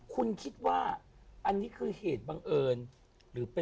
คุณคิดว่าอันนี้คือเหตุบังเอิญ